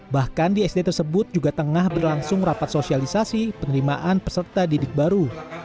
bahkan di sd tersebut juga tengah berlangsung rapat sosialisasi penerimaan peserta didik baru